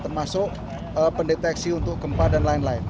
termasuk pendeteksi untuk gempa dan lain lain